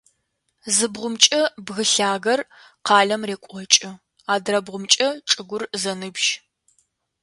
Зы бгъумкӏэ бгы лъагэр къалэм рекӏокӏы, адрэбгъумкӏэ чӏыгур зэныбжь.